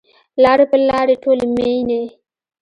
لارې پل لارې ټولي میینې